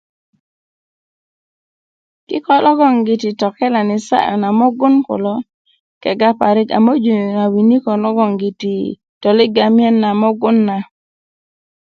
kiko logongiti tokelani sa'yu na mugun kulo kega parik a möju na winiko logongiti toliga miyen na mugun na